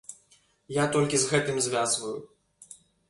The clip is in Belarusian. Я толькі з гэтым звязваю.